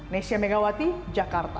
nesya megawati jakarta